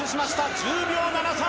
１０秒７３。